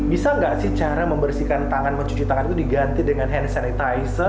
bisa nggak sih cara membersihkan tangan mencuci tangan itu diganti dengan hand sanitizer